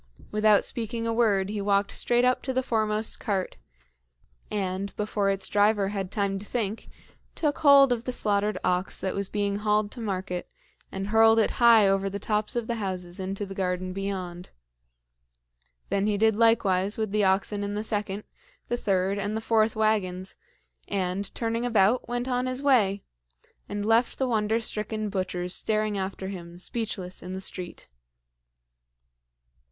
Without speaking a word he walked straight up to the foremost cart, and, before its driver had time to think, took hold of the slaughtered ox that was being hauled to market, and hurled it high over the tops of the houses into the garden beyond. Then he did likewise with the oxen in the second, the third, and the fourth wagons, and, turning about, went on his way, and left the wonder stricken butchers staring after him, speechless, in the street.